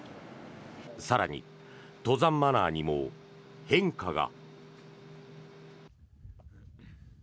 更に登山マナーにも変化が。